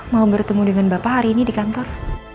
mau bertemu dengan bapak hari ini di kantor